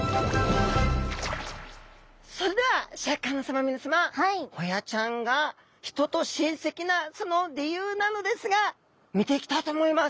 それではシャーク香音さま皆さまホヤちゃんが人と親せきなその理由なのですが見ていきたいと思います。